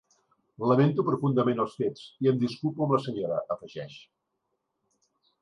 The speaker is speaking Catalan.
Lamento profundament els fets i em disculpo amb la senyora, afegeix.